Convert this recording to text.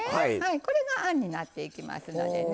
これがあんになっていきますのでね。